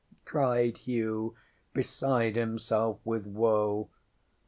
ŌĆØ cried Hugh, beside himself with woe.